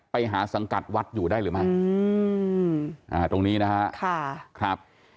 ไปหาสังกัดวัดอยู่ได้หรือไม่ตรงนี้นะฮะ